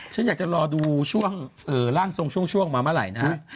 ฉันอยากจะรอดูช่วงร่างทรงช่วงมาเมื่อไหร่นะฮะ